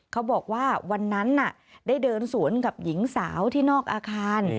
เขาบอกว่าวันนั้นได้เดินสวนกับหญิงสาวที่นอกอาคาร